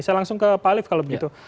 saya langsung ke pak alif kalau begitu